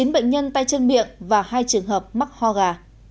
chín bệnh nhân tay chân miệng và hai trường hợp mắc ho gà